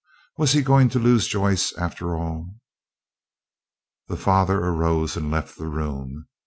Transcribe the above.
Was he going to lose Joyce after all? The father arose and left the room.